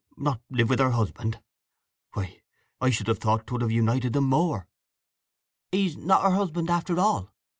"Not live with her husband? Why, I should have thought 'twould have united them more." "He's not her husband, after all.